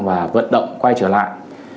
và vận động quay trở lại